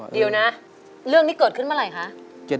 เดี๋ยวนะเรื่องนี้เกิดขึ้นเมื่อไหร่คะ